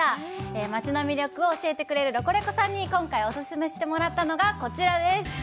町の魅力を教えてくれるロコレコさんに今回お勧めしてもらったのがこちらです！